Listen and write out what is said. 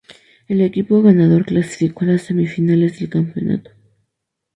El equipo ganador clasificó a las semifinales del campeonato.